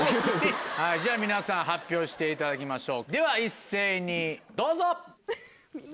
皆さん発表していただきましょうでは一斉にどうぞ！